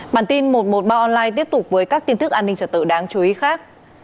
bản tin một trăm một mươi ba online tiếp tục với các tin tức an ninh trật tự đáng chú ý khác